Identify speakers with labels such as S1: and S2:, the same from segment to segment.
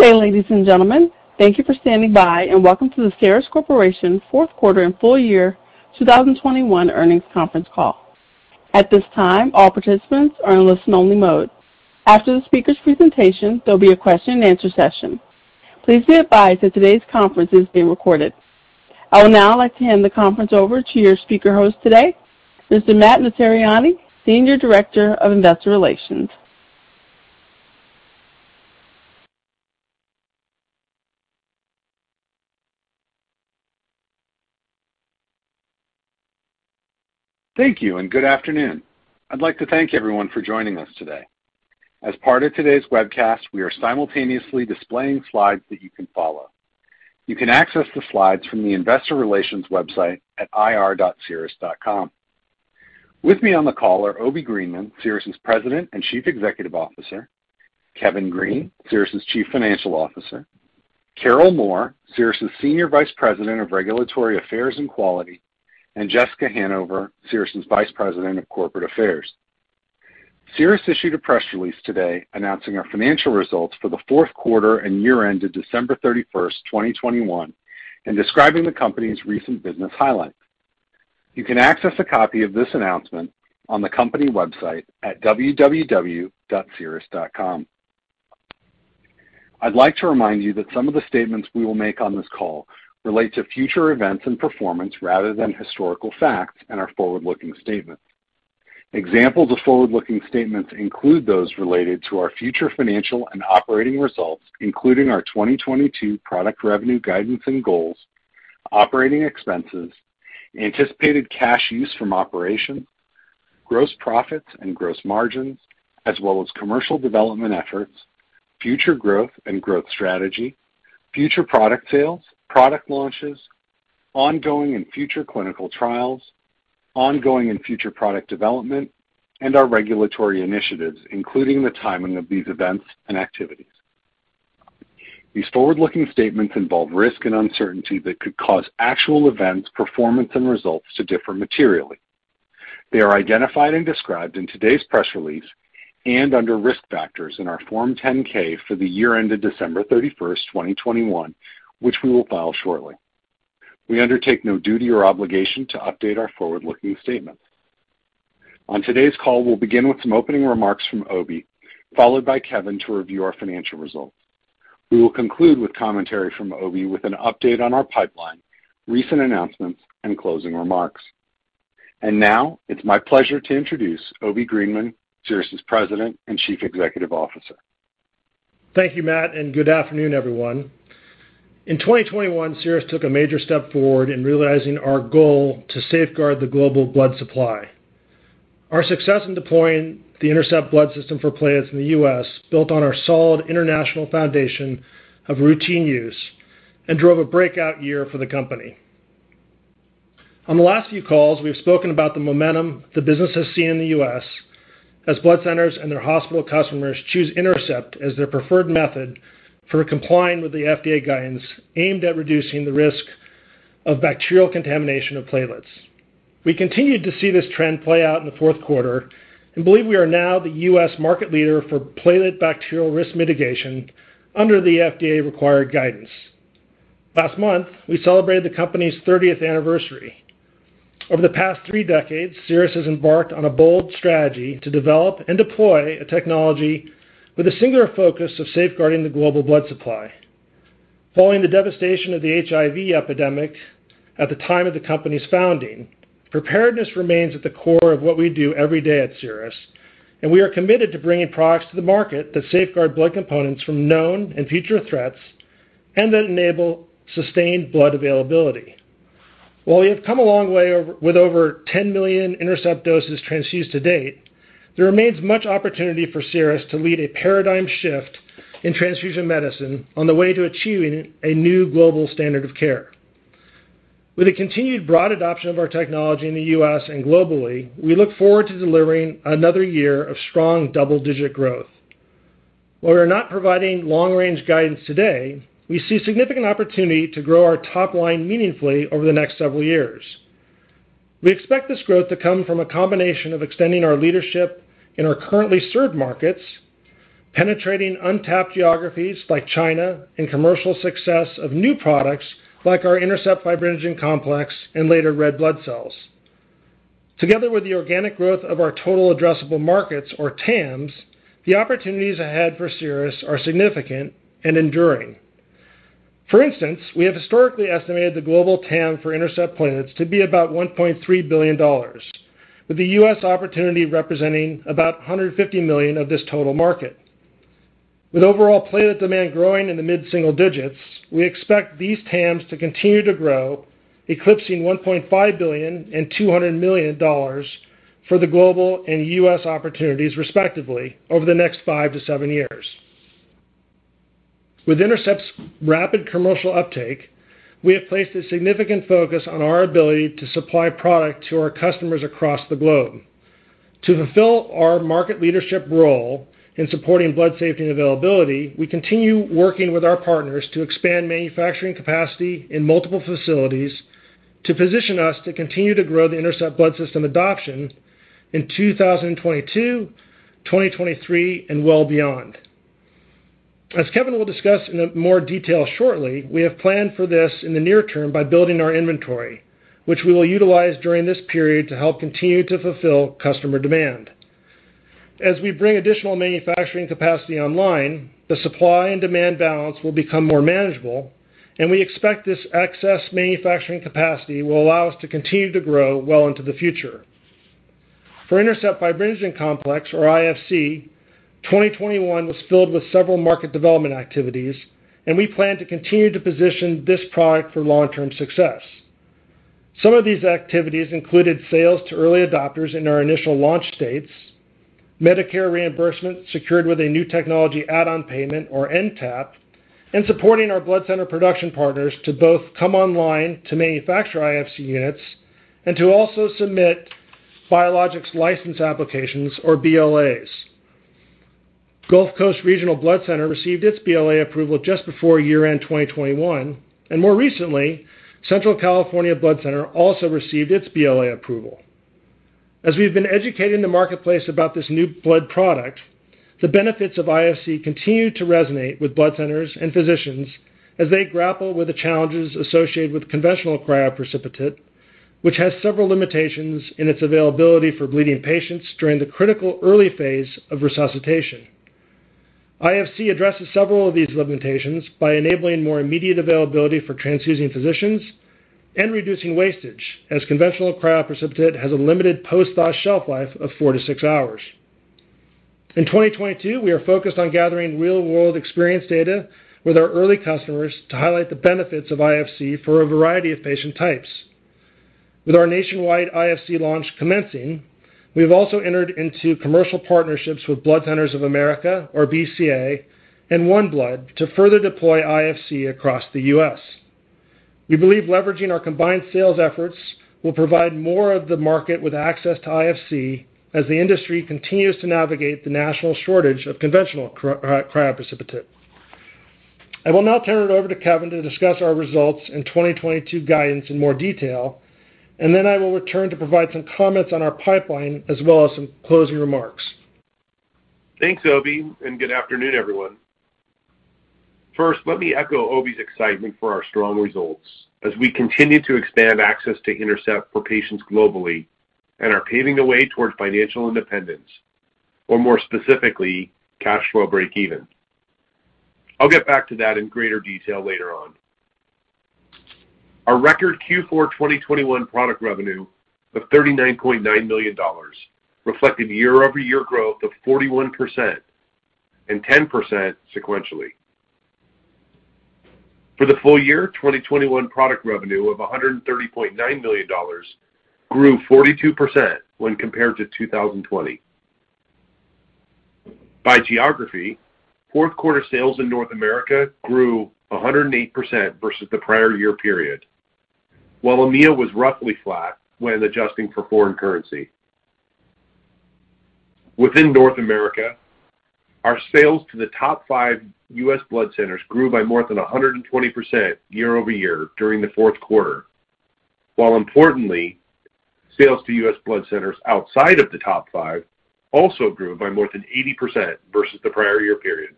S1: Good day, ladies and gentlemen. Thank you for standing by, and welcome to the Cerus Corporation fourth quarter and full-year 2021 earnings conference call. At this time, all participants are in listen-only mode. After the speaker's presentation, there'll be a question and answer session. Please be advised that today's conference is being recorded. I would now like to hand the conference over to your speaker host today, Mr. Matt Notarianni, Senior Director of Investor Relations.
S2: Thank you, and good afternoon. I'd like to thank everyone for joining us today. As part of today's webcast, we are simultaneously displaying slides that you can follow. You can access the slides from the investor relations website at ir.cerus.com. With me on the call are Obi Greenman, Cerus' President and Chief Executive Officer, Kevin Green, Cerus' Chief Financial Officer, Carol Moore, Cerus' Senior Vice President of Regulatory Affairs and Quality, and Jessica Hanover, Cerus' Vice President of Corporate Affairs. Cerus issued a press release today announcing our financial results for the fourth quarter and year-end to December 31, 2021, and describing the company's recent business highlights. You can access a copy of this announcement on the company website at www.cerus.com. I'd like to remind you that some of the statements we will make on this call relate to future events and performance rather than historical facts and are forward-looking statements. Examples of forward-looking statements include those related to our future financial and operating results, including our 2022 product revenue guidance and goals, operating expenses, anticipated cash use from operations, gross profits and gross margins, as well as commercial development efforts, future growth and growth strategy, future product sales, product launches, ongoing and future clinical trials, ongoing and future product development, and our regulatory initiatives, including the timing of these events and activities. These forward-looking statements involve risk and uncertainty that could cause actual events, performance and results to differ materially. They are identified and described in today's press release and under Risk Factors in our Form 10-K for the year ended December 31, 2021, which we will file shortly. We undertake no duty or obligation to update our forward-looking statements. On today's call, we'll begin with some opening remarks from Obi, followed by Kevin to review our financial results. We will conclude with commentary from Obi with an update on our pipeline, recent announcements and closing remarks. Now it's my pleasure to introduce Obi Greenman, Cerus' President and Chief Executive Officer.
S3: Thank you, Matt, and good afternoon, everyone. In 2021, Cerus took a major step forward in realizing our goal to safeguard the global blood supply. Our success in deploying the INTERCEPT Blood System for platelets in the U.S., built on our solid international foundation of routine use and drove a breakout year for the company. On the last few calls, we've spoken about the momentum the business has seen in the U.S. as blood centers and their hospital customers choose INTERCEPT as their preferred method for complying with the FDA guidance aimed at reducing the risk of bacterial contamination of platelets. We continued to see this trend play out in the fourth quarter and believe we are now the U.S. market leader for platelet bacterial risk mitigation under the FDA required guidance. Last month, we celebrated the company's 13th anniversary. Over the past three decades, Cerus has embarked on a bold strategy to develop and deploy a technology with a singular focus of safeguarding the global blood supply. Following the devastation of the HIV epidemic at the time of the company's founding, preparedness remains at the core of what we do every day at Cerus, and we are committed to bringing products to the market that safeguard blood components from known and future threats and that enable sustained blood availability. While we have come a long way with over 10 million INTERCEPT doses transfused to date, there remains much opportunity for Cerus to lead a paradigm shift in transfusion medicine on the way to achieving a new global standard of care. With the continued broad adoption of our technology in the U.S. and globally, we look forward to delivering another year of strong double-digit growth. While we are not providing long-range guidance today, we see significant opportunity to grow our top line meaningfully over the next several years. We expect this growth to come from a combination of extending our leadership in our currently served markets, penetrating untapped geographies like China, and commercial success of new products like our INTERCEPT Fibrinogen Complex and later red blood cells. Together with the organic growth of our total addressable markets or TAMs, the opportunities ahead for Cerus are significant and enduring. For instance, we have historically estimated the global TAM for INTERCEPT platelets to be about $1.3 billion, with the U.S. opportunity representing about $150 million of this total market. With overall platelet demand growing in the mid-single digits, we expect these TAMs to continue to grow, eclipsing $1.5 billion and $200 million for the global and U.S. opportunities, respectively, over the next five to seven years. With INTERCEPT's rapid commercial uptake, we have placed a significant focus on our ability to supply product to our customers across the globe. To fulfill our market leadership role in supporting blood safety and availability, we continue working with our partners to expand manufacturing capacity in multiple facilities. To position us to continue to grow the INTERCEPT Blood System adoption in 2022, 2023, and well beyond. As Kevin will discuss in more detail shortly, we have planned for this in the near term by building our inventory, which we will utilize during this period to help continue to fulfill customer demand. As we bring additional manufacturing capacity online, the supply and demand balance will become more manageable, and we expect this excess manufacturing capacity will allow us to continue to grow well into the future. For INTERCEPT Fibrinogen Complex, or IFC, 2021 was filled with several market development activities, and we plan to continue to position this product for long-term success. Some of these activities included sales to early adopters in our initial launch states, Medicare reimbursement secured with a new technology add-on payment, or NTAP, and supporting our blood center production partners to both come online to manufacture IFC units and to also submit biologics license applications, or BLAs. Gulf Coast Regional Blood Center received its BLA approval just before year-end 2021, and more recently, Central California Blood Center also received its BLA approval. As we have been educating the marketplace about this new blood product, the benefits of IFC continue to resonate with blood centers and physicians as they grapple with the challenges associated with conventional cryoprecipitate, which has several limitations in its availability for bleeding patients during the critical early phase of resuscitation. IFC addresses several of these limitations by enabling more immediate availability for transfusing physicians and reducing wastage, as conventional cryoprecipitate has a limited post-thaw shelf life of four to six hours. In 2022, we are focused on gathering real-world experience data with our early customers to highlight the benefits of IFC for a variety of patient types. With our nationwide IFC launch commencing, we have also entered into commercial partnerships with Blood Centers of America, or BCA, and OneBlood to further deploy IFC across the U.S. We believe leveraging our combined sales efforts will provide more of the market with access to IFC as the industry continues to navigate the national shortage of conventional cryoprecipitate. I will now turn it over to Kevin to discuss our results and 2022 guidance in more detail, and then I will return to provide some comments on our pipeline as well as some closing remarks.
S4: Thanks, Obi, and good afternoon, everyone. First, let me echo Obi's excitement for our strong results as we continue to expand access to INTERCEPT for patients globally and are paving the way towards financial independence, or more specifically, cash flow breakeven. I'll get back to that in greater detail later on. Our record Q4 2021 product revenue of $39.9 million reflected year-over-year growth of 41% and 10% sequentially. For the full-year 2021 product revenue of $130.9 million grew 42% when compared to 2020. By geography, fourth quarter sales in North America grew 108% versus the prior year period, while EMEA was roughly flat when adjusting for foreign currency. Within North America, our sales to the top five U.S. blood centers grew by more than 120% year-over-year during the fourth quarter, while importantly, sales to U.S. blood centers outside of the top five also grew by more than 80% versus the prior year period.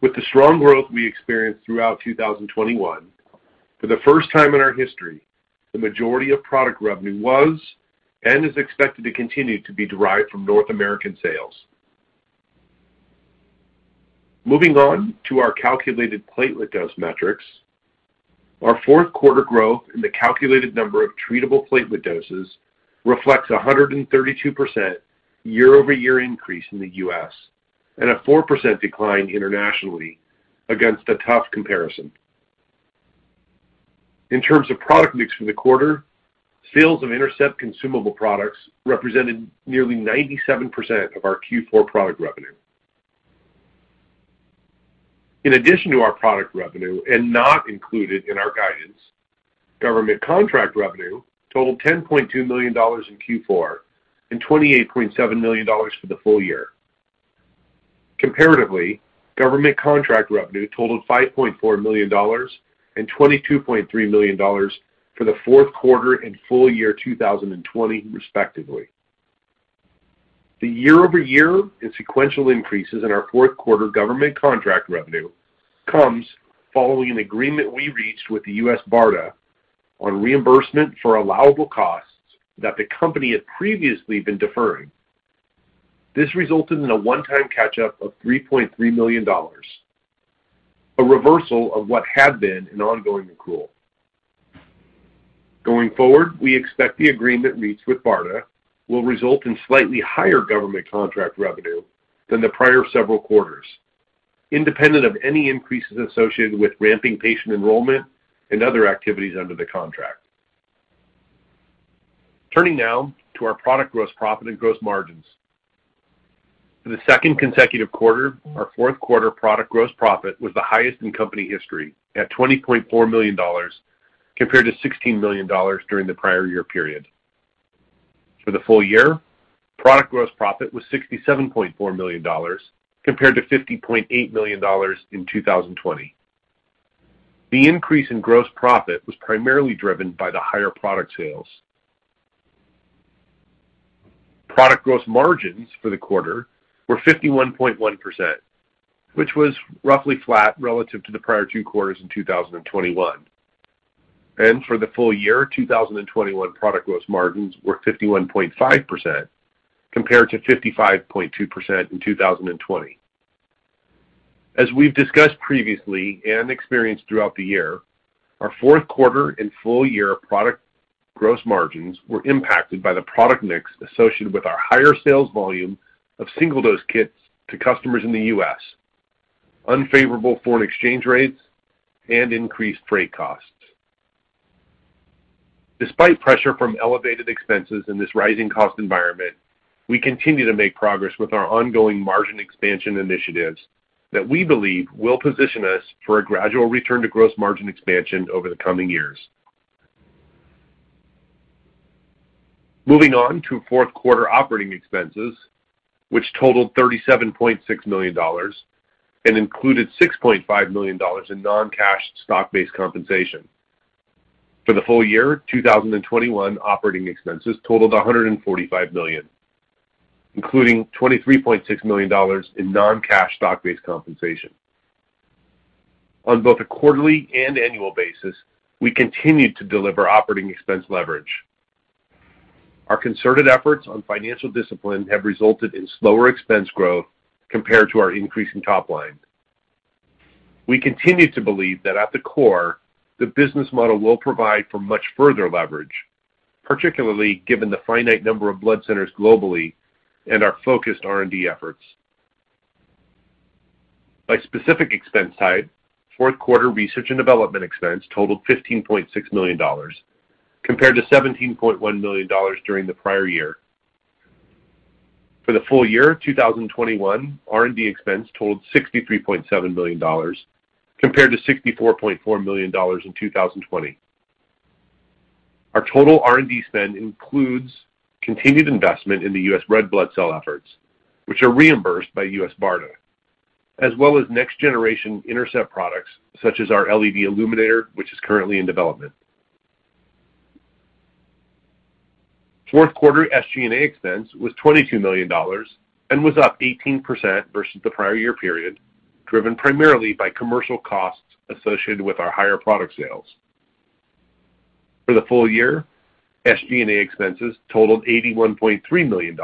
S4: With the strong growth we experienced throughout 2021, for the first time in our history, the majority of product revenue was and is expected to continue to be derived from North American sales. Moving on to our calculated platelet dose metrics. Our fourth quarter growth in the calculated number of treatable platelet doses reflects a 132% year-over-year increase in the U.S. and a 4% decline internationally against a tough comparison. In terms of product mix for the quarter, sales of INTERCEPT consumable products represented nearly 97% of our Q4 product revenue. In addition to our product revenue, and not included in our guidance, government contract revenue totaled $10.2 million in Q4 and $28.7 million for the full-year. Comparatively, government contract revenue totaled $5.4 million and $22.3 million for the fourth quarter and full-year 2020, respectively. The year-over-year and sequential increases in our fourth quarter government contract revenue comes following an agreement we reached with the U.S. BARDA on reimbursement for allowable costs that the company had previously been deferring. This resulted in a one-time catch-up of $3.3 million, a reversal of what had been an ongoing accrual. Going forward, we expect the agreement reached with BARDA will result in slightly higher government contract revenue than the prior several quarters, independent of any increases associated with ramping patient enrollment and other activities under the contract. Turning now to our product gross profit and gross margins. For the second consecutive quarter, our fourth quarter product gross profit was the highest in company history at $20.4 million, compared to $16 million during the prior year period. For the full-year, product gross profit was $67.4 million, compared to $50.8 million in 2020. The increase in gross profit was primarily driven by the higher product sales. Product gross margins for the quarter were 51.1%, which was roughly flat relative to the prior two quarters in 2021. For the full-year, 2021 product gross margins were 51.5% compared to 55.2% in 2020. As we've discussed previously and experienced throughout the year, our fourth quarter and full-year product gross margins were impacted by the product mix associated with our higher sales volume of single-dose kits to customers in the U.S., unfavorable foreign exchange rates, and increased freight costs. Despite pressure from elevated expenses in this rising cost environment, we continue to make progress with our ongoing margin expansion initiatives that we believe will position us for a gradual return to gross margin expansion over the coming years. Moving on to fourth quarter operating expenses, which totaled $37.6 million and included $6.5 million in non-cash stock-based compensation. For the full-year 2021, operating expenses totaled $145 million, including $23.6 million in non-cash stock-based compensation. On both a quarterly and annual basis, we continued to deliver operating expense leverage. Our concerted efforts on financial discipline have resulted in slower expense growth compared to our increase in top line. We continue to believe that at the core, the business model will provide for much further leverage, particularly given the finite number of blood centers globally and our focused R&D efforts. By specific expense type, fourth quarter research and development expense totaled $15.6 million compared to $17.1 million during the prior year. For the full-year 2021, R&D expense totaled $63.7 million compared to $64.4 million in 2020. Our total R&D spend includes continued investment in the U.S. red blood cell efforts, which are reimbursed by U.S. BARDA, as well as next generation INTERCEPT products such as our LED illuminator, which is currently in development. Fourth quarter SG&A expense was $22 million and was up 18% versus the prior year period, driven primarily by commercial costs associated with our higher product sales. For the full-year, SG&A expenses totaled $81.3 million,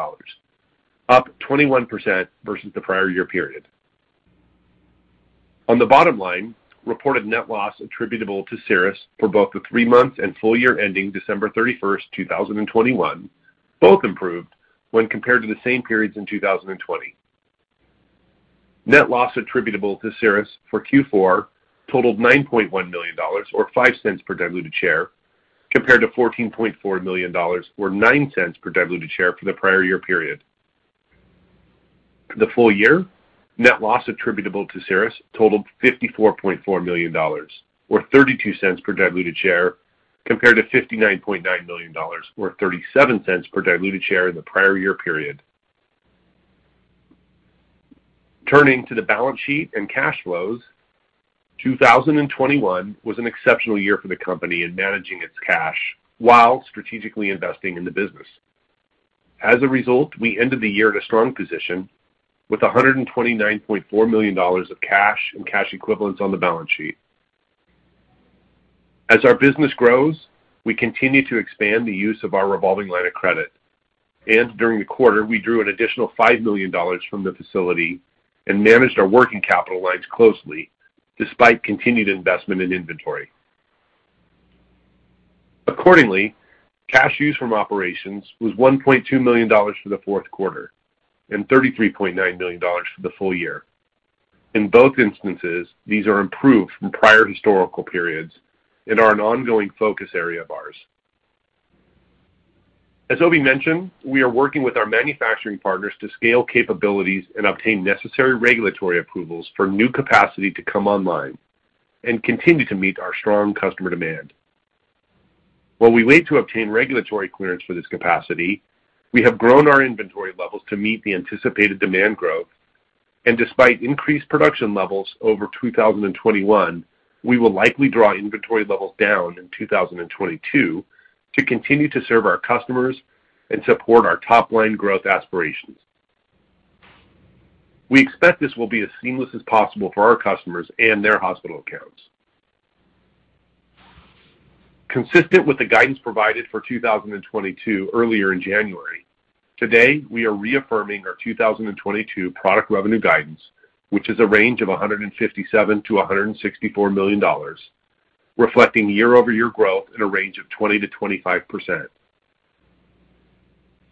S4: up 21% versus the prior year period. On the bottom line, reported net loss attributable to Cerus for both the three months and full-year ending December 31, 2021, both improved when compared to the same periods in 2020. Net loss attributable to Cerus for Q4 totaled $9.1 million or $0.05 per diluted share, compared to $14.4 million or $0.09 per diluted share for the prior year period. For the full-year, net loss attributable to Cerus totaled $54.4 million or $0.32 per diluted share, compared to $59.9 million or $0.37 per diluted share in the prior year period. Turning to the balance sheet and cash flows, 2021 was an exceptional year for the company in managing its cash while strategically investing in the business. As a result, we ended the year at a strong position with $129.4 million of cash and cash equivalents on the balance sheet. As our business grows, we continue to expand the use of our revolving line of credit. During the quarter, we drew an additional $5 million from the facility and managed our working capital lines closely despite continued investment in inventory. Accordingly, cash use from operations was $1.2 million for the fourth quarter and $33.9 million for the full-year. In both instances, these are improved from prior historical periods and are an ongoing focus area of ours. As Obi mentioned, we are working with our manufacturing partners to scale capabilities and obtain necessary regulatory approvals for new capacity to come online and continue to meet our strong customer demand. While we wait to obtain regulatory clearance for this capacity, we have grown our inventory levels to meet the anticipated demand growth. Despite increased production levels over 2021, we will likely draw inventory levels down in 2022 to continue to serve our customers and support our top line growth aspirations. We expect this will be as seamless as possible for our customers and their hospital accounts. Consistent with the guidance provided for 2022 earlier in January, today, we are reaffirming our 2022 product revenue guidance, which is a range of $157-164 million, reflecting year-over-year growth in a range of 20%-25%.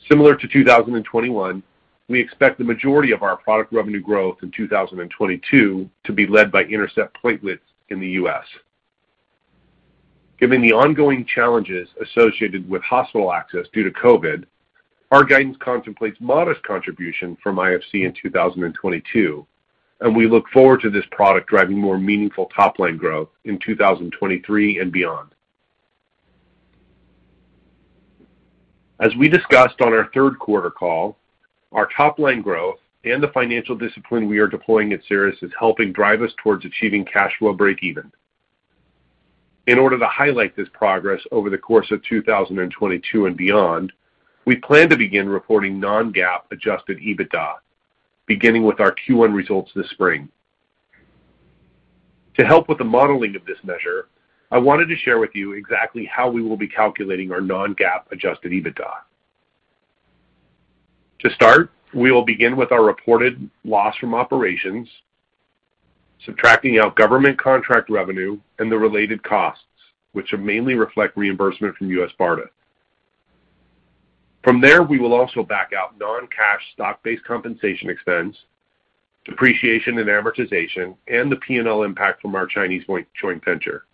S4: Similar to 2021, we expect the majority of our product revenue growth in 2022 to be led by INTERCEPT platelets in the U.S. Given the ongoing challenges associated with hospital access due to COVID, our guidance contemplates modest contribution from IFC in 2022. We look forward to this product driving more meaningful top-line growth in 2023 and beyond. As we discussed on our third quarter call, our top-line growth and the financial discipline we are deploying at Cerus is helping drive us towards achieving cash flow breakeven. In order to highlight this progress over the course of 2022 and beyond, we plan to begin reporting non-GAAP adjusted EBITDA, beginning with our Q1 results this spring. To help with the modeling of this measure, I wanted to share with you exactly how we will be calculating our non-GAAP adjusted EBITDA. To start, we will begin with our reported loss from operations, subtracting out government contract revenue and the related costs, which will mainly reflect reimbursement from U.S. BARDA. From there, we will also back out non-cash stock-based compensation expense, depreciation and amortization, and the P&L impact from our Chinese joint venture.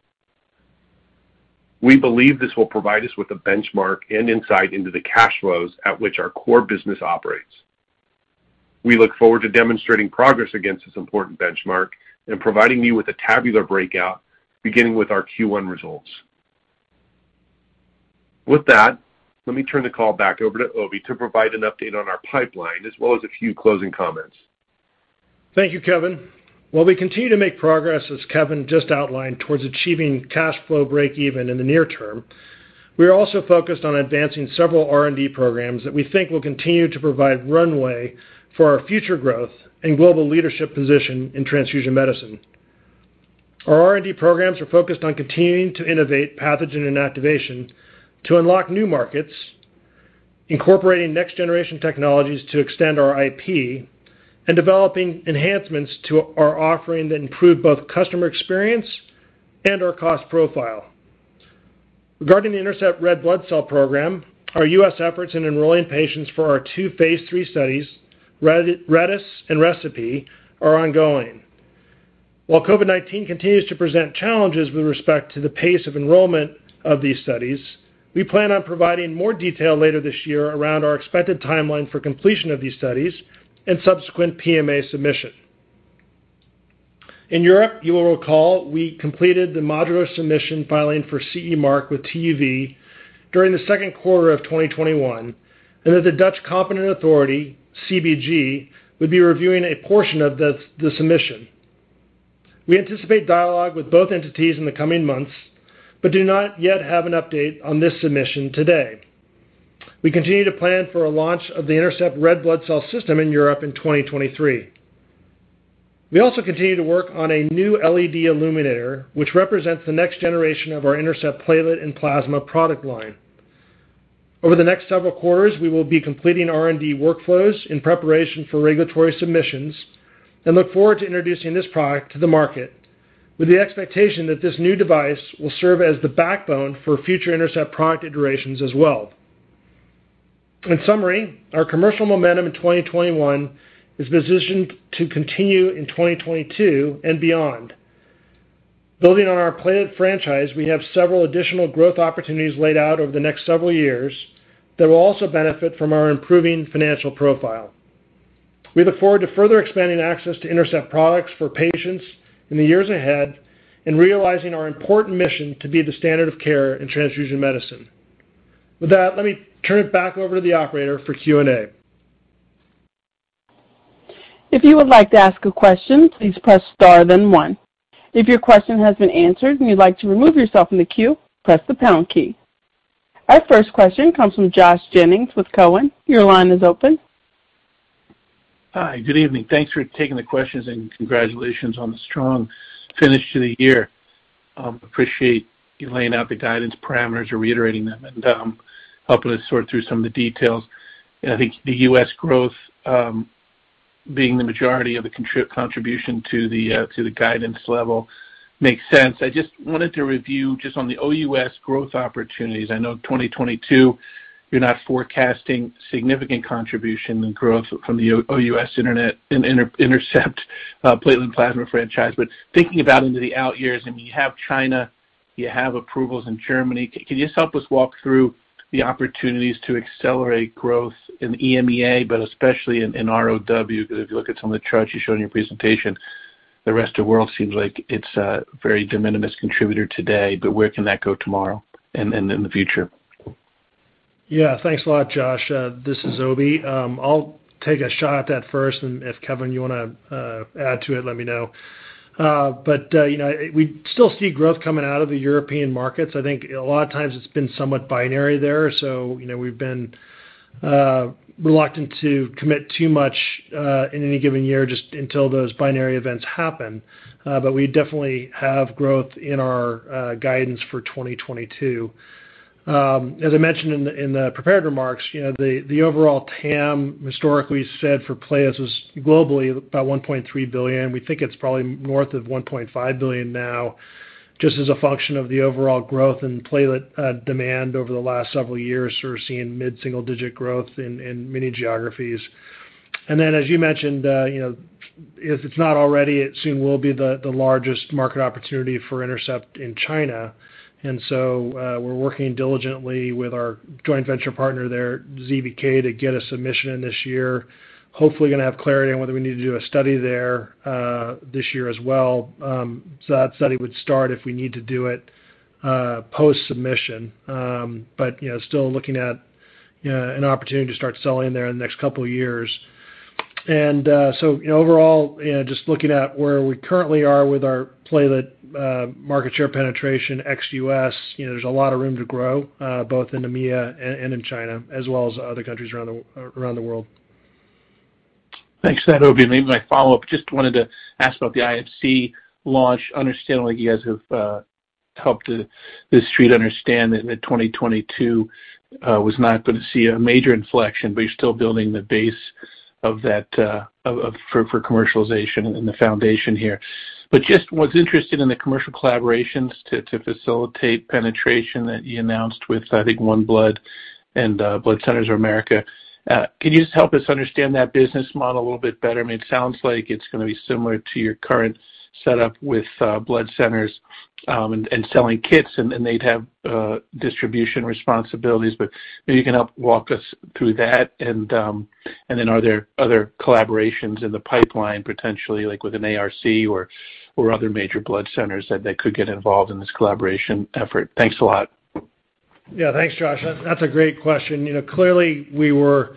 S4: We believe this will provide us with a benchmark and insight into the cash flows at which our core business operates. We look forward to demonstrating progress against this important benchmark and providing you with a tabular breakout beginning with our Q1 results. With that, let me turn the call back over to Obi to provide an update on our pipeline as well as a few closing comments.
S3: Thank you, Kevin. While we continue to make progress, as Kevin just outlined, towards achieving cash flow breakeven in the near term, we are also focused on advancing several R&D programs that we think will continue to provide runway for our future growth and global leadership position in transfusion medicine. Our R&D programs are focused on continuing to innovate pathogen inactivation to unlock new markets, incorporating next-generation technologies to extend our IP, and developing enhancements to our offering that improve both customer experience and our cost profile. Regarding the INTERCEPT Red Blood Cell program, our U.S. efforts in enrolling patients for our two phase III studies, REDS and RECIPE, are ongoing. While COVID-19 continues to present challenges with respect to the pace of enrollment of these studies, we plan on providing more detail later this year around our expected timeline for completion of these studies and subsequent PMA submission. In Europe, you will recall we completed the modular submission filing for CE mark with TÜV during the second quarter of 2021, and that the Dutch competent authority, CBG, would be reviewing a portion of the submission. We anticipate dialogue with both entities in the coming months, but do not yet have an update on this submission today. We continue to plan for a launch of the INTERCEPT Red Blood Cell system in Europe in 2023. We also continue to work on a new LED illuminator, which represents the next generation of our INTERCEPT platelet and plasma product line. Over the next several quarters, we will be completing R&D workflows in preparation for regulatory submissions and look forward to introducing this product to the market with the expectation that this new device will serve as the backbone for future INTERCEPT product iterations as well. In summary, our commercial momentum in 2021 is positioned to continue in 2022 and beyond. Building on our platelet franchise, we have several additional growth opportunities laid out over the next several years that will also benefit from our improving financial profile. We look forward to further expanding access to INTERCEPT products for patients in the years ahead and realizing our important mission to be the standard of care in transfusion medicine. With that, let me turn it back over to the operator for Q&A.
S1: Our first question comes from Josh Jennings with Cowen. Your line is open.
S5: Hi. Good evening. Thanks for taking the questions and congratulations on the strong finish to the year. Appreciate you laying out the guidance parameters or reiterating them and helping us sort through some of the details. I think the U.S. growth being the majority of the contribution to the guidance level makes sense. I just wanted to review just on the OUS growth opportunities. I know 2022, you're not forecasting significant contribution and growth from the OUS INTERCEPT platelet plasma franchise. Thinking about into the out years, and you have China, you have approvals in Germany. Could you just help us walk through the opportunities to accelerate growth in EMEA, but especially in ROW? Because if you look at some of the charts you showed in your presentation, the rest of the world seems like it's a very de minimis contributor today, but where can that go tomorrow and in the future?
S3: Yeah, thanks a lot, Josh. This is Obi. I'll take a shot at that first, and if Kevin, you wanna add to it, let me know. You know, we still see growth coming out of the European markets. I think a lot of times it's been somewhat binary there. You know, we've been reluctant to commit too much in any given year just until those binary events happen. We definitely have growth in our guidance for 2022. As I mentioned in the prepared remarks, you know, the overall TAM historically said for platelets was globally about $1.3 billion. We think it's probably north of $1.5 billion now, just as a function of the overall growth in platelet demand over the last several years. We're seeing mid-single-digit growth in many geographies. As you mentioned, if it's not already, it soon will be the largest market opportunity for INTERCEPT in China. We're working diligently with our joint venture partner there, ZBK, to get a submission in this year. Hopefully, gonna have clarity on whether we need to do a study there this year as well. That study would start if we need to do it post-submission. You know, still looking at an opportunity to start selling there in the next couple of years. you know, overall, you know, just looking at where we currently are with our platelet market share penetration ex-U.S., you know, there's a lot of room to grow, both in EMEA and in China as well as other countries around the world.
S5: Thanks for that, Obi. Maybe my follow-up, just wanted to ask about the IFC launch. Understand, like, you guys have helped the Street understand that mid-2022 was not gonna see a major inflection, but you're still building the base of that for commercialization and the foundation here. Just was interested in the commercial collaborations to facilitate penetration that you announced with, I think, OneBlood and Blood Centers of America. Can you just help us understand that business model a little bit better? I mean, it sounds like it's gonna be similar to your current setup with blood centers and selling kits, and then they'd have distribution responsibilities. Maybe you can help walk us through that. are there other collaborations in the pipeline, potentially like with an ARC or other major blood centers that they could get involved in this collaboration effort? Thanks a lot.
S3: Thanks, Josh. That's a great question. You know, clearly, we were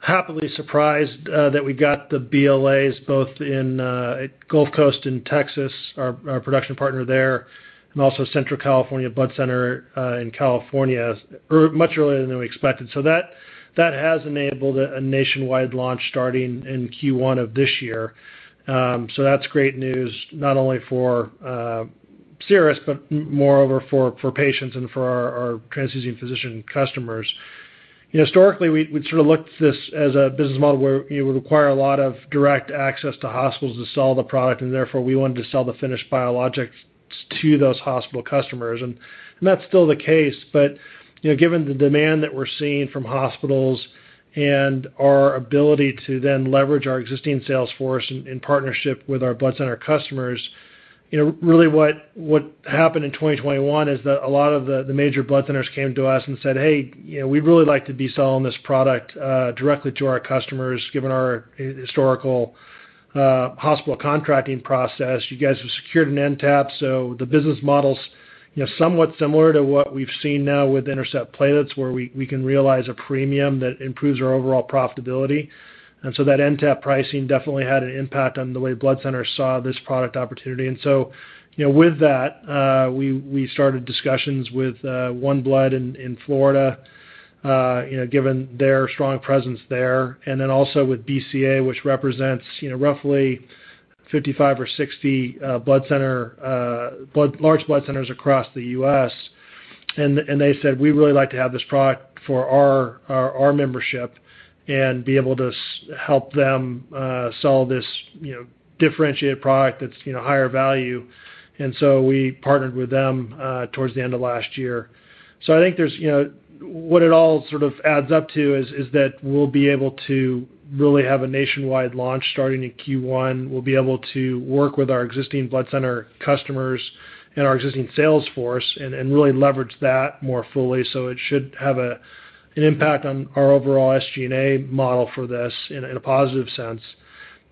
S3: happily surprised that we got the BLAs both in Gulf Coast and Texas, our production partner there, and also Central California Blood Center in California much earlier than we expected. That has enabled a nationwide launch starting in Q1 of this year. So that's great news, not only for Cerus, but moreover for patients and for our transfusion physician customers. Historically, we'd sort of looked this as a business model where it would require a lot of direct access to hospitals to sell the product, and therefore, we wanted to sell the finished biologics to those hospital customers. That's still the case. You know, given the demand that we're seeing from hospitals and our ability to then leverage our existing sales force in partnership with our blood center customers, you know, really what happened in 2021 is that a lot of the major blood centers came to us and said, "Hey, you know, we'd really like to be selling this product directly to our customers, given our historical hospital contracting process. You guys have secured an NTAP." The business model's, you know, somewhat similar to what we've seen now with INTERCEPT platelets, where we can realize a premium that improves our overall profitability. That NTAP pricing definitely had an impact on the way blood centers saw this product opportunity. With that, you know, we started discussions with OneBlood in Florida, you know, given their strong presence there, and then also with BCA, which represents, you know, roughly 55 or 60 large blood centers across the U.S. They said, "We'd really like to have this product for our membership and be able to help them sell this, you know, differentiated product that's, you know, higher value." We partnered with them towards the end of last year. I think there's, you know, what it all sort of adds up to is that we'll be able to really have a nationwide launch starting in Q1. We'll be able to work with our existing blood center customers and our existing sales force and really leverage that more fully. It should have an impact on our overall SG&A model for this in a positive sense.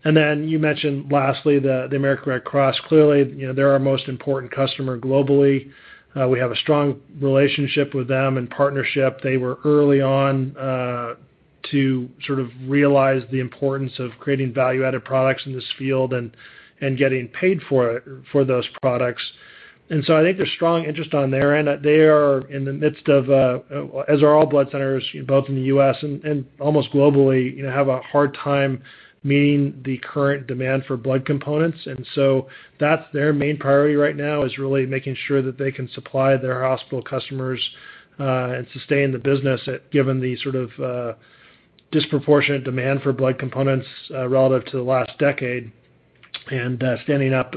S3: You mentioned lastly the American Red Cross. Clearly, you know, they're our most important customer globally. We have a strong relationship with them and partnership. They were early on to sort of realize the importance of creating value-added products in this field and getting paid for those products. I think there's strong interest on their end. They are in the midst of, as are all blood centers, both in the U.S. and almost globally, you know, have a hard time meeting the current demand for blood components. That's their main priority right now is really making sure that they can supply their hospital customers, and sustain the business, given the sort of disproportionate demand for blood components relative to the last decade, and standing up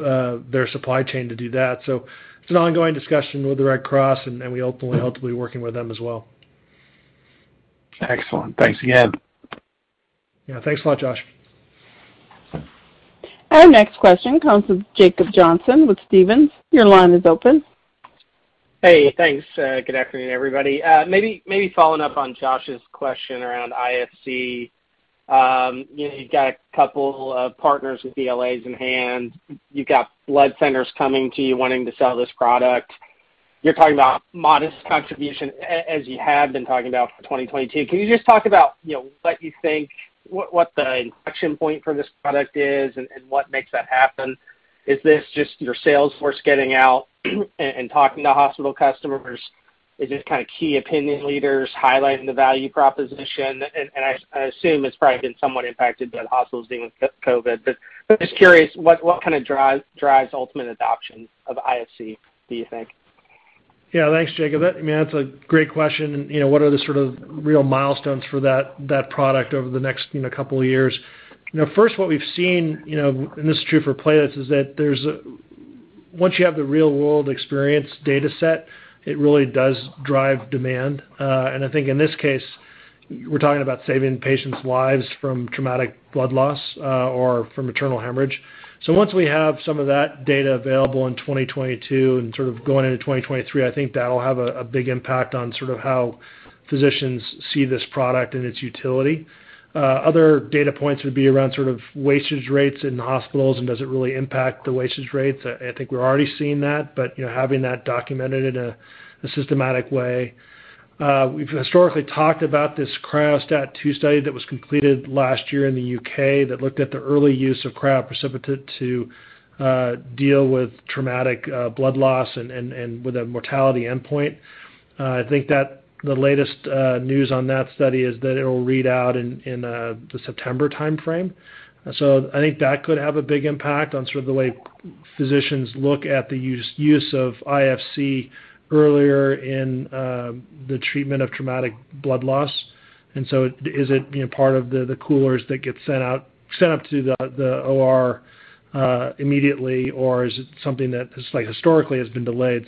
S3: their supply chain to do that. It's an ongoing discussion with the Red Cross, and we hopefully working with them as well.
S5: Excellent. Thanks again.
S3: Yeah. Thanks a lot, Josh.
S1: Our next question comes from Jacob Johnson with Stephens. Your line is open.
S6: Hey. Thanks. Good afternoon, everybody. Maybe following up on Josh's question around IFC. You know, you've got a couple of partners with BLAs in hand. You've got blood centers coming to you wanting to sell this product. You're talking about modest contribution as you have been talking about for 2022. Can you just talk about, you know, what you think, what the inflection point for this product is and what makes that happen? Is this just your sales force getting out and talking to hospital customers? Is this kind of key opinion leaders highlighting the value proposition? I assume it's probably been somewhat impacted by the hospitals dealing with COVID, but I'm just curious what kind of drive drives ultimate adoption of IFC, do you think?
S3: Yeah. Thanks, Jacob. I mean, that's a great question. You know, what are the sort of real milestones for that product over the next, you know, couple of years? You know, first, what we've seen, you know, and this is true for platelets, is that once you have the real-world experience data set, it really does drive demand. I think in this case, we're talking about saving patients' lives from traumatic blood loss, or from maternal hemorrhage. Once we have some of that data available in 2022 and sort of going into 2023, I think that'll have a big impact on sort of how physicians see this product and its utility. Other data points would be around sort of wastage rates in hospitals and does it really impact the wastage rates? I think we're already seeing that, but you know, having that documented in a systematic way. We've historically talked about this CRYOSTAT-2 study that was completed last year in the U.K. that looked at the early use of cryoprecipitate to deal with traumatic blood loss and with a mortality endpoint. I think that the latest news on that study is that it'll read out in the September timeframe. So I think that could have a big impact on sort of the way physicians look at the use of IFC earlier in the treatment of traumatic blood loss. Is it, you know, part of the coolers that get sent up to the OR immediately or is it something that just like historically has been delayed?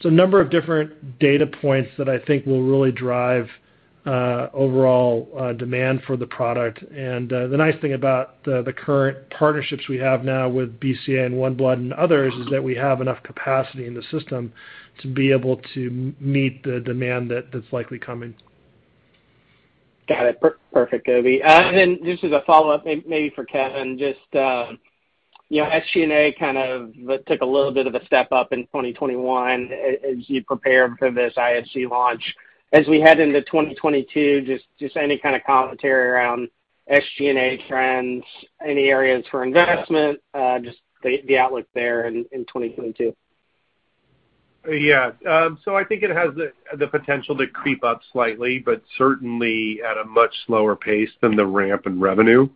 S3: It's a number of different data points that I think will really drive overall demand for the product. The nice thing about the current partnerships we have now with BCA and OneBlood and others is that we have enough capacity in the system to be able to meet the demand that's likely coming.
S6: Got it. Perfect, Obi. Just as a follow-up, maybe for Kevin, just, you know, SG&A kind of took a little bit of a step up in 2021 as you prepared for this IFC launch. As we head into 2022, just any kind of commentary around SG&A trends, any areas for investment, just the outlook there in 2022.
S4: Yeah. I think it has the potential to creep up slightly, but certainly at a much slower pace than the ramp in revenue.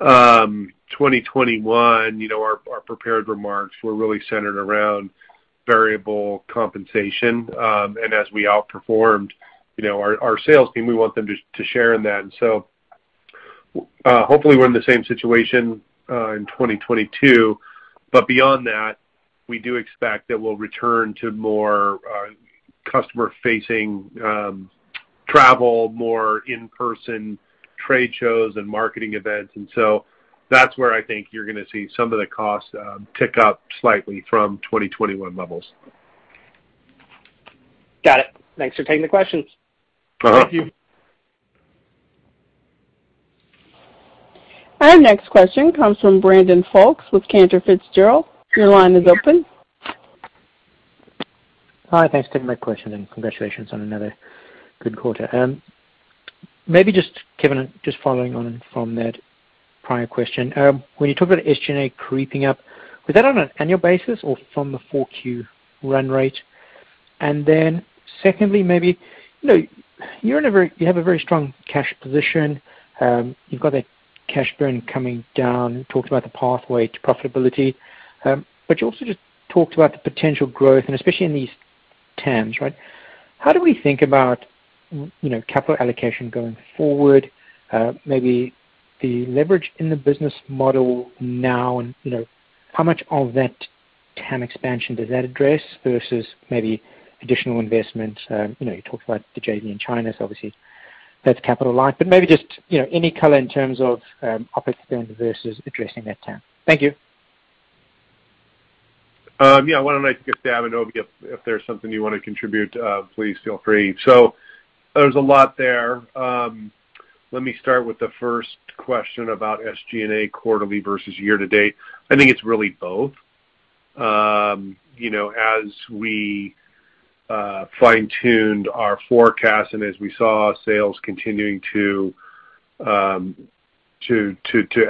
S4: 2021, you know, our prepared remarks were really centered around variable compensation, and as we outperformed, you know, our sales team, we want them to share in that. Hopefully we're in the same situation in 2022. Beyond that, we do expect that we'll return to more customer-facing travel, more in-person trade shows and marketing events. That's where I think you're gonna see some of the costs tick up slightly from 2021 levels.
S6: Got it. Thanks for taking the questions.
S4: Uh-huh.
S3: Thank you.
S1: Our next question comes from Brandon Folkes with Cantor Fitzgerald. Your line is open.
S7: Hi. Thanks for taking my question, and congratulations on another good quarter. Maybe, Kevin, following on from that prior question. When you talk about SG&A creeping up, was that on an annual basis or from the Q4 run rate? Secondly, maybe, you know, you have a very strong cash position. You've got that cash burn coming down. You talked about the pathway to profitability. You also just talked about the potential growth and especially in these TAMs, right? How do we think about, you know, capital allocation going forward, maybe the leverage in the business model now and, you know, how much of that TAM expansion does that address versus maybe additional investments? You know, you talked about the JV in China, so obviously that's capital light. Maybe just, you know, any color in terms of OpEx spend versus addressing that TAM. Thank you.
S4: Yeah. Why don't I skip to Obi, if there's something you wanna contribute, please feel free. There's a lot there. Let me start with the first question about SG&A quarterly versus year-to-date. I think it's really both. You know, as we fine-tuned our forecast and as we saw sales continuing to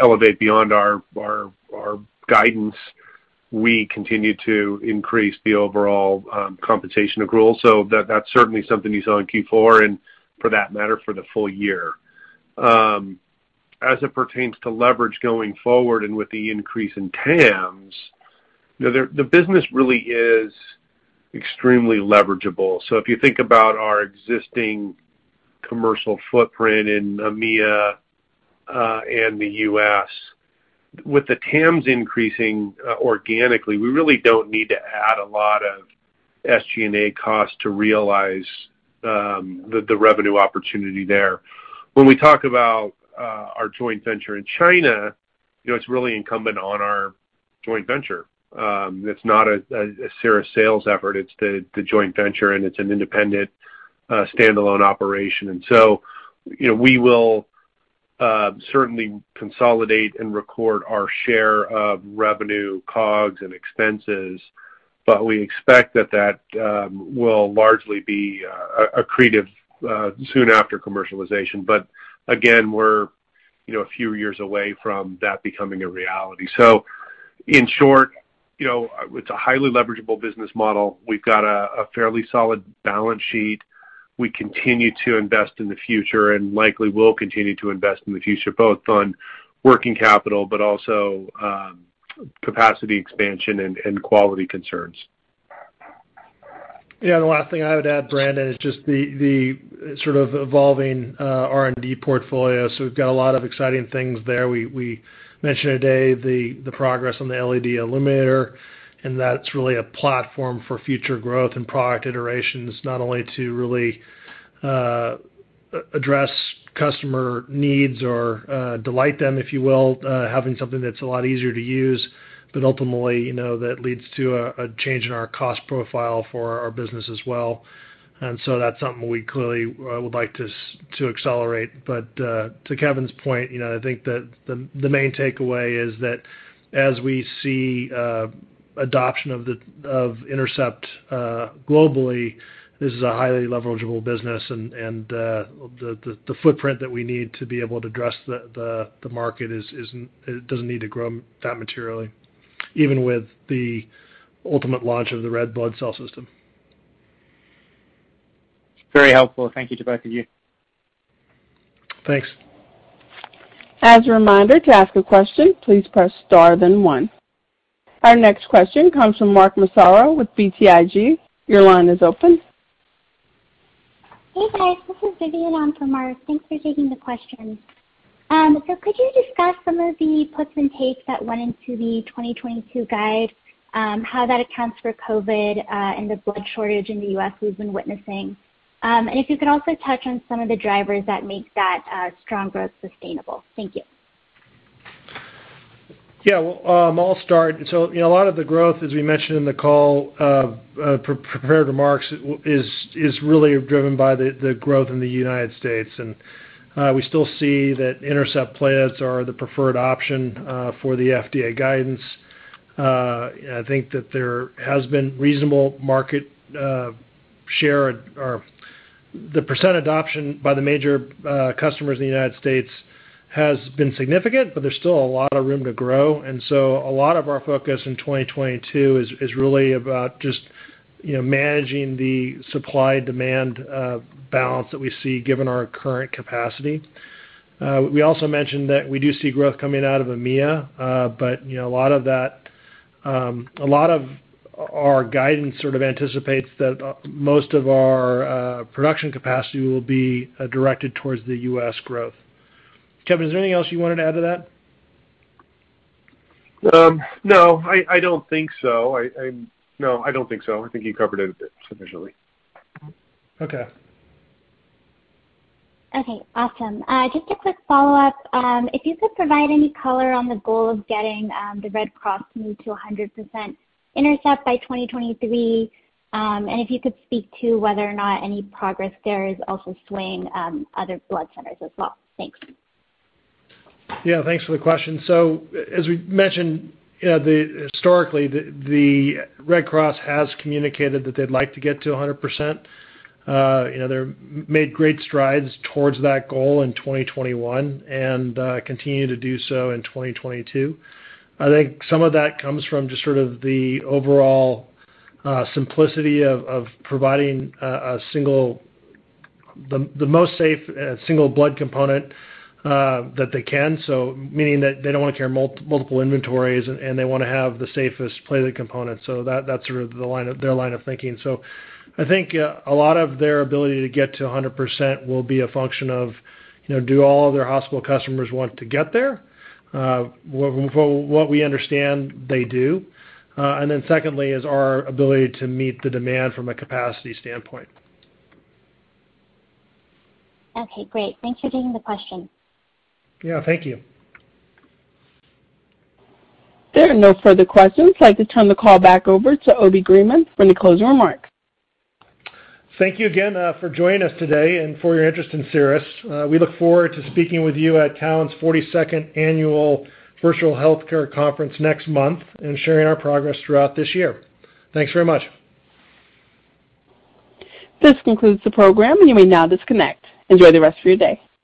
S4: elevate beyond our guidance, we continued to increase the overall compensation of growth. That, that's certainly something you saw in Q4 and for that matter, for the full-year. As it pertains to leverage going forward and with the increase in TAMs, you know, the business really is extremely leverageable. If you think about our existing commercial footprint in EMEA, and the U.S., with the TAMs increasing organically, we really don't need to add a lot of SG&A costs to realize the revenue opportunity there. When we talk about our joint venture in China, you know, it's really incumbent on our joint venture. It's not a Cerus sales effort, it's the joint venture, and it's an independent standalone operation. You know, we will certainly consolidate and record our share of revenue, COGS and expenses, but we expect that will largely be accretive soon after commercialization. But again, we're, you know, a few years away from that becoming a reality. In short, you know, it's a highly leverageable business model. We've got a fairly solid balance sheet. We continue to invest in the future and likely will continue to invest in the future, both on working capital but also, capacity expansion and quality concerns.
S3: Yeah, the last thing I would add, Brandon, is just the sort of evolving R&D portfolio. We've got a lot of exciting things there. We mentioned today the progress on the LED illuminator, and that's really a platform for future growth and product iterations, not only to really address customer needs or delight them, if you will, having something that's a lot easier to use, but ultimately, you know, that leads to a change in our cost profile for our business as well. That's something we clearly would like to accelerate. To Kevin's point, you know, I think that the main takeaway is that as we see adoption of INTERCEPT globally, this is a highly leverageable business and the footprint that we need to be able to address the market is it doesn't need to grow that materially, even with the ultimate launch of the red blood cell system.
S7: Very helpful. Thank you to both of you.
S3: Thanks.
S1: As a reminder, to ask a question, please press star then one. Our next question comes from Mark Massaro with BTIG. Your line is open.
S8: Hey, guys. This is Vivian on for Mark. Thanks for taking the question. Could you discuss some of the puts and takes that went into the 2022 guide, how that accounts for COVID, and the blood shortage in the U.S. we've been witnessing? If you could also touch on some of the drivers that make that strong growth sustainable. Thank you.
S3: Yeah, well, I'll start. So, you know, a lot of the growth, as we mentioned in the call, prepared remarks, is really driven by the growth in the United States. We still see that INTERCEPT platelets are the preferred option for the FDA guidance. I think that there has been reasonable market share or the % adoption by the major customers in the United States has been significant, but there's still a lot of room to grow. A lot of our focus in 2022 is really about just, you know, managing the supply-demand balance that we see given our current capacity. We also mentioned that we do see growth coming out of EMEA, but you know, a lot of our guidance sort of anticipates that, most of our production capacity will be directed towards the U.S. growth. Kevin, is there anything else you wanted to add to that?
S4: No, I don't think so. I think you covered it sufficiently.
S3: Okay.
S8: Just a quick follow-up. If you could provide any color on the goal of getting the Red Cross moved to 100% INTERCEPT by 2023, and if you could speak to whether or not any progress there is also swaying other blood centers as well. Thanks.
S3: Yeah, thanks for the question. As we mentioned, you know, historically, the Red Cross has communicated that they'd like to get to 100%. You know, they've made great strides towards that goal in 2021 and continue to do so in 2022. I think some of that comes from just sort of the overall simplicity of providing a single, the most safe single blood component that they can, so meaning that they don't wanna carry multiple inventories, and they wanna have the safest platelet component. That's sort of their line of thinking. I think a lot of their ability to get to 100% will be a function of, you know, do all of their hospital customers want to get there? What we understand, they do. Secondly is our ability to meet the demand from a capacity standpoint.
S8: Okay, great. Thanks for taking the question.
S3: Yeah, thank you.
S1: There are no further questions. I'd like to turn the call back over to William Greenman for any closing remarks.
S3: Thank you again for joining us today and for your interest in Cerus. We look forward to speaking with you at Cowen's 42nd annual Virtual Healthcare Conference next month and sharing our progress throughout this year. Thanks very much.
S1: This concludes the program. You may now disconnect. Enjoy the rest of your day.